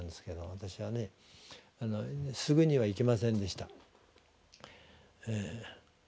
私はすぐには行きませんでした。